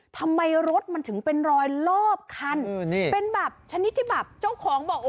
ทำไมรถมันถึงเป็นรอยรอบคันเป็นแบบชนิดที่แบบเจ้าของบอก